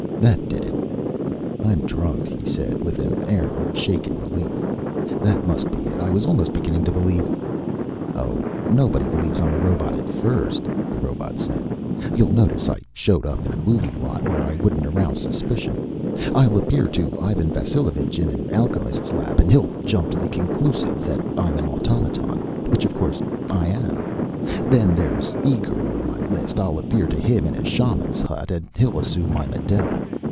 That did it. "I'm drunk," he said with an air of shaken relief. "That must be it. I was almost beginning to believe " "Oh, nobody believes I'm a robot at first," the robot said. "You'll notice I showed up in a movie lot, where I wouldn't arouse suspicion. I'll appear to Ivan Vasilovich in an alchemist's lab, and he'll jump to the conclusive I'm an automaton. Which, of course, I am. Then there's a Uighur on my list I'll appear to him in a shaman's hut and he'll assume I'm a devil.